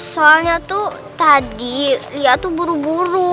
soalnya tuh tadi ya tuh buru buru